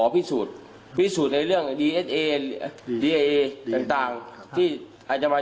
พิสูจน์พิสูจน์ในเรื่องดีเอสเอดีเอต่างต่างที่อาจจะมา